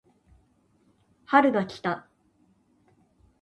春が来た